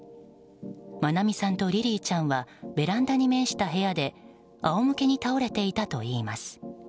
愛美さんとリリィちゃんはベランダに面した部屋で仰向けに倒れていたといいます。